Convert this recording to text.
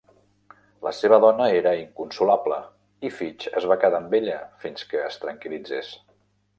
La seva dona era inconsolable i Fitch es va quedar amb ella fins que es tranquil·litzés.